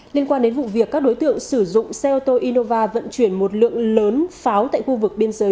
liên quan đến vụ việc các đối tượng sử dụng xe ô tô innova vận chuyển một lượng lớn pháo tại khu vực biên giới